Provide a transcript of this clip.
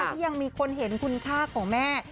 ที่ยังมีคนเห็นคุณค่าของแม่